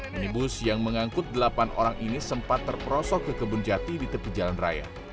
minibus yang mengangkut delapan orang ini sempat terperosok ke kebun jati di tepi jalan raya